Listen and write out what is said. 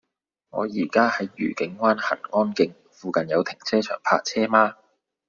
我依家喺愉景灣蘅安徑，附近有停車場泊車嗎